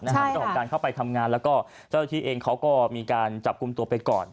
เรื่องของการเข้าไปทำงานแล้วก็เจ้าหน้าที่เองเขาก็มีการจับกลุ่มตัวไปก่อน